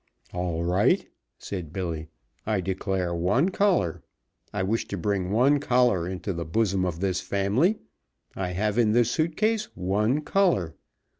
"All right," said Billy, "I declare one collar. I wish to bring one collar into the bosom of this family. I have in this suit case one collar.